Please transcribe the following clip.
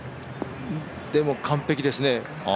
でも完璧ですね。